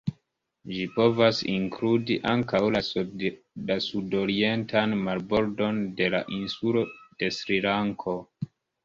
Ĝi povas inkludi ankaŭ la sudorientan marbordon de la insulo de Srilanko.